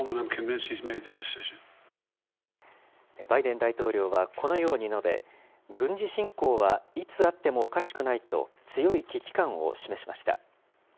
バイデン大統領はこのように述べ、軍事侵攻はいつあってもおかしくないと、強い危機感を示しました。